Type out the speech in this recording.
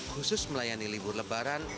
khusus melayani libur lebaran